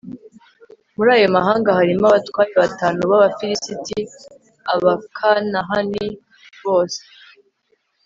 muri ayo mahanga harimo abatware batanu b'abafilisiti, abakanahani bose